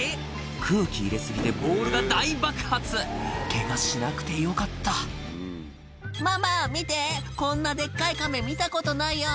空気入れ過ぎでボールが大爆発ケガしなくてよかった「ママ見てこんなデッカい亀見たことないよ」